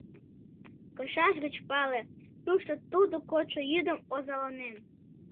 Кышаж гыч пале: тушто тудо кодшо йӱдым озаланен.